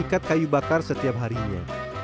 empat ikat kayu bakar setiap harinya